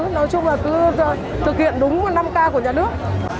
nói chung là cứ thực hiện đúng năm k của nhà nước